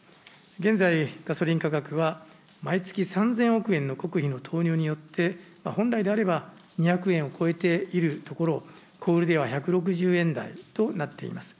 現在、ガソリン価格は毎月３０００億円の国費の投入によって、本来であれば２００円を超えているところを、小売りでは１６０円台となっています。